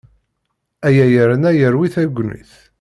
Aya yerna yerwi tagnit.